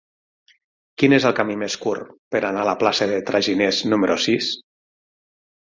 Quin és el camí més curt per anar a la plaça dels Traginers número sis?